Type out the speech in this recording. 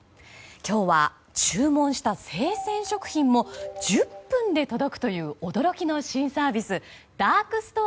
今日は、注文した生鮮食品も１０分で届くという驚きの新サービス